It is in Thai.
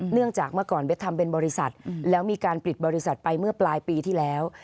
เนื่องจากเมื่อก่อนเบสทำเป็นบริษัทแล้วมีการปิดบริษัทไปเมื่อปลายปีที่แล้ว